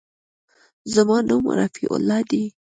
زما نوم رفيع الله دى.